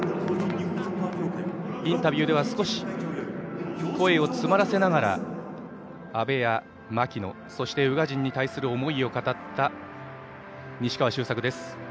インタビューでは少し声を詰まらせながら阿部や槙野、そして宇賀神に対する思いを語った西川周作です。